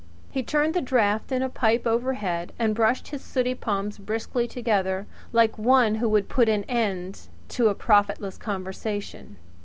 He turned the draft in a pipe overhead and brushed his sooty palms briskly together like one who would put an end to a profitless conversation.